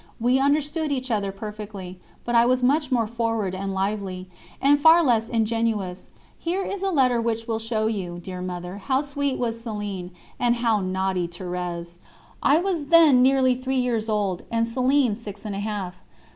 We understood each other perfectly, but I was much more forward and lively, and far less ingenuous. Here is a letter which will show you, dear Mother, how sweet was Céline, and how naughty Thérèse. I was then nearly three years old, and Céline six and a half.